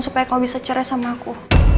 supaya kau bisa cerai sama aku